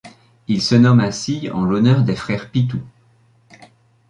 Il se nomme ainsi en l'honneur des frères Pithou.